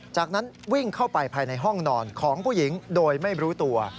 จากนั้นวิ่งเข้าไปภายในห้องนอนของผู้หญิงโดยไม่รู้ตัว